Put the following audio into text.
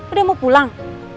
udah mau pulang